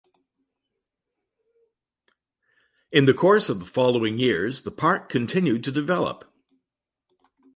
In the course of the following years the park continued to develop.